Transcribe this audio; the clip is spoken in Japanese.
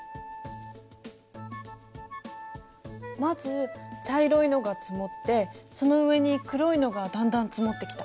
まず茶色いのが積もってその上に黒いのがだんだん積もってきた。